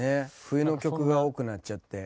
冬の曲が多くなっちゃって。